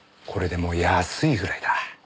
これでも安いぐらいだ。